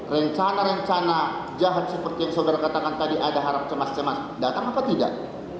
rencana rencana jahat seperti yang saudara katakan tadi ada harap cemas cemas datang apa tidak